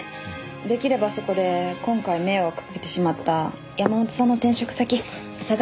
出来ればそこで今回迷惑かけてしまった山本さんの転職先探したいと思ってます。